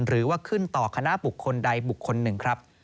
หรือว่าขึ้นต่อคณะบุคคลใดบุคคลหนึ่งครับ